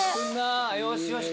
よしよし